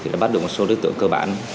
đã bắt được một số đối tượng cơ bản